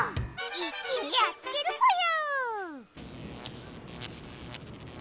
一気にやっつけるぽよ！